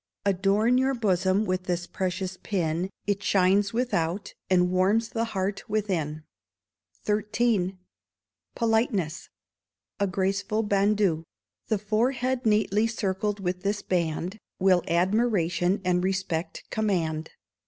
Adorn your bosom with this precious pin, It shines without, and warms the heart within. xiii Politeness A Graceful Bandeau. The forehead neatly circled with this band, Will admiration and respect command.